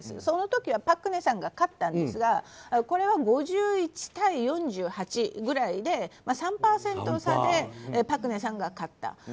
その時は朴槿惠さんが勝ったんですがこれは５１対４８ぐらいで３％差で朴槿惠さんが勝った。